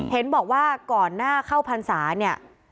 เห็นบอกว่าก่อนหน้าเข้าพรรษาเนี่ย